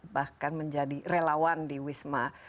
bahkan menjadi relawan di wisma